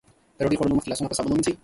د ډوډۍ خوړلو مخکې لاسونه په صابون ومينځئ.